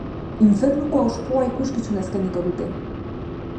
Infernuko auspoa ikuskizuna eskainiko dute.